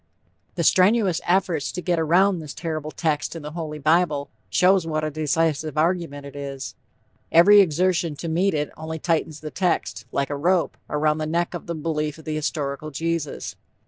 The strenuous efforts to get around this terrible text in the "Holy Bible," show what a decisive argument it is. Every exertion to meet it only tightens the text, like a rope, around the neck of the belief in the historical Jesus.